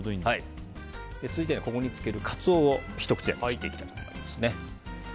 続いて、ここに漬けるカツオを切っていきたいと思います。